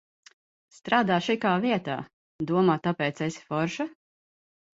Strādā šikā vietā, domā, tāpēc esi forša.